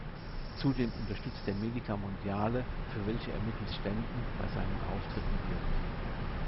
Zudem unterstützt er Medica mondiale, für welche er mittels Ständen bei seinen Auftritten wirbt.